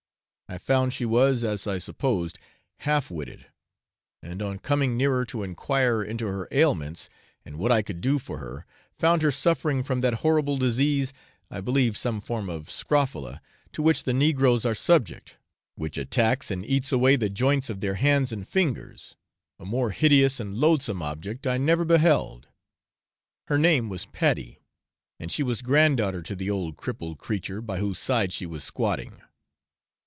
I found she was, as I supposed, half witted; and on coming nearer to enquire into her ailments and what I could do for her, found her suffering from that horrible disease I believe some form of scrofula to which the negroes are subject, which attacks and eats away the joints of their hands and fingers a more hideous and loathsome object I never beheld; her name was Patty, and she was grand daughter to the old crippled creature by whose side she was squatting.